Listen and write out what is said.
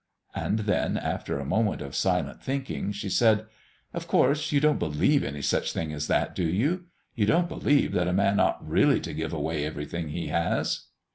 And then, after a moment of silent thinking, she said: "Of course you don't believe any such thing as that, do you? You don't believe that a man ought really to give away everything he has?"